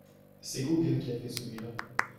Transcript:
C’est Gauguin qui a fait celui-là.